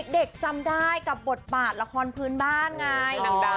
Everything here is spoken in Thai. จำได้กับบทบาทละครพื้นบ้านไง